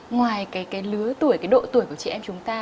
ngoài cái lứa tuổi cái độ tuổi của chị em chúng ta